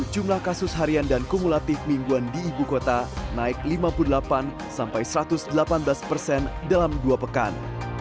jumlah kasus harian dan kumulatif mingguan di ibu kota naik lima puluh delapan sampai satu ratus delapan belas persen dalam dua pekan